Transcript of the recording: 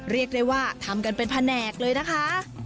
เรียกได้ว่าทำกันเป็นแผนกเลยนะคะ